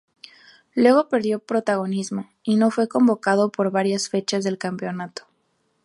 Luego perdió protagonismo, y no fue convocado por varias fechas del campeonato.